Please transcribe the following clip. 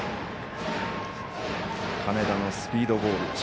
金田のスピードボール。